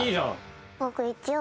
僕一応。